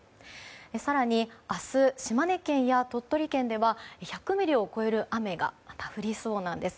更に、明日島根県や鳥取県では１００ミリを超える雨が降りそうなんです。